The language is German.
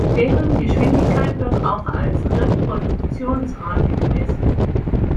Deren Geschwindigkeit wird auch als Reproduktionsrate gemessen.